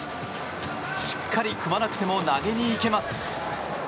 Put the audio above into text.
しっかり組まなくても投げにいけます。